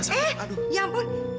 eh ya ampun